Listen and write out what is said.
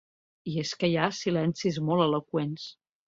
I és que hi ha silencis molt eloqüents.